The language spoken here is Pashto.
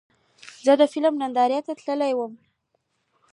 زه د فلم نندارې ته تللی وم.